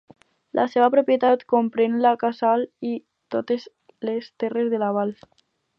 La seva propietat comprèn el casal i totes les terres de la vall.